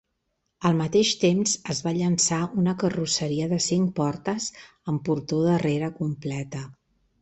Al mateix temps es va llençar una carrosseria de cinc portes amb portó darrere completa.